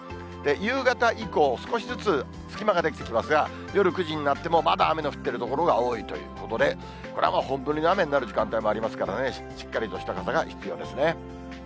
夕方以降、少しずつ、隙間が出来てきますが、夜９時になっても、まだ雨の降ってる所が多いということで、これは本降りの雨になる時間帯もありますからね、しっかりとした傘が必要ですね。